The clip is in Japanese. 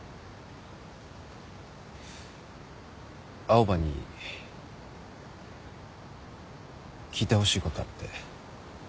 青羽に聞いてほしいことあって。